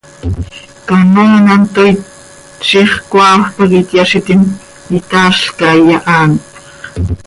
Canoaa an hant tooit, ziix coaafp pac ityaazitim, itaazlca, iyahaanpx.